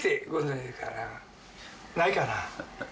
ないかな？